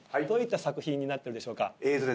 どういった作品になってるでしょうか。